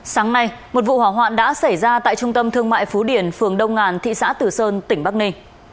sáng nay một vụ hỏa hoạn đã xảy ra tại trung tâm thương mại phú điền phường đông ngàn thị xã tử sơn tỉnh bắc ninh